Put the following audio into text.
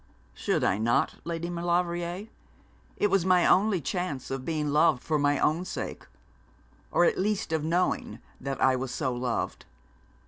'Should I not, Lady Maulevrier? It was my only chance of being loved for my own sake; or, at least of knowing that I was so loved.